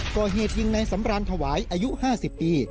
ก่อเหตุยิงในสำรานถวายอายุ๕๐ปี